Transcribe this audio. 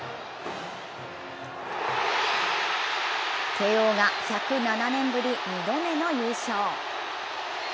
慶応が１０７年ぶり、２度目の優勝。